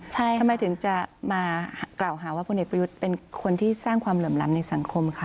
ทำไมถึงจะมากล่าวหาว่าพลเอกประยุทธ์เป็นคนที่สร้างความเหลื่อมล้ำในสังคมคะ